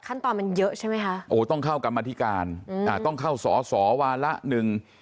ขั้นตอนมันเยอะใช่ไหมคะโอ้ต้องเข้ากรรมธิการอืมอ่าต้องเข้าสอสอวาระหนึ่ง